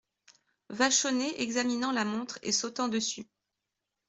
Vachonnet examinant la montre et sautant dessus.